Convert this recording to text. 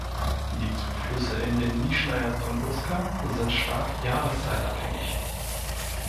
Die Zuflüsse in den „Nischnaja Tunguska“ sind stark jahreszeitabhängig.